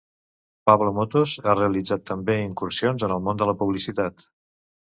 Pablo Motos ha realitzat també incursions en el món de la publicitat.